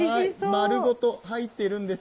まるごと入っているんです。